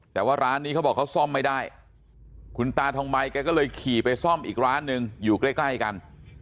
แต่ว่าร้านนี้เขาบอกเขาซ่อมไม่ได้คุณตาทองใบแกก็เลยขี่ไปซ่อมอีกร้านหนึ่งอยู่ใกล้กัน